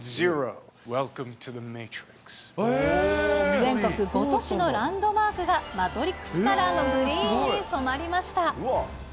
全国５都市のランドマークが、マトリックスカラーのグリーンに染まりました。